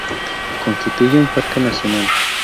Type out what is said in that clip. Constituye un Parque Nacional.